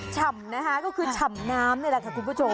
ฉ่ำนะคะก็คือฉ่ำน้ำนี่แหละค่ะคุณผู้ชม